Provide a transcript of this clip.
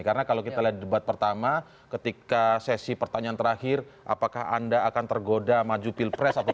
karena kalau kita lihat di debat pertama ketika sesi pertanyaan terakhir apakah anda akan tergoda maju pilpres atau tidak